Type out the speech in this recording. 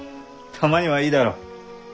たまにはいいだろう？